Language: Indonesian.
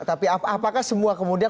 tapi apakah semua kemudian